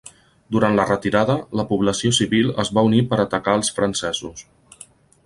Durant la retirada, la població civil es va unir per atacar els francesos.